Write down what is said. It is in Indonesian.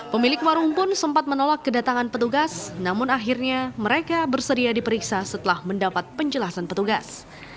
pemilik warung pun sempat menolak kedatangan petugas namun akhirnya mereka bersedia diperiksa setelah mendapat penjelasan petugas